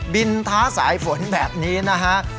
ท้าสายฝนแบบนี้นะฮะ